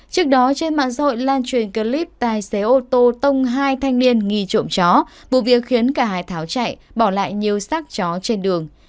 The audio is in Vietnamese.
trước đó trên mạng xã hội lan truyền clip tài xế ô tô tông hai thanh niên nghi trộm chó vụ việc khiến cả hai tháo chạy bỏ lại nhiều xác chó trên đường